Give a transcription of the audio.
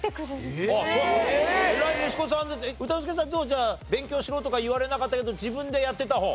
じゃあ勉強しろとか言われなかったけど自分でやってた方？